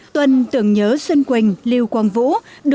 tuần tưởng nhớ xuân quỳnh lưu quảng vũ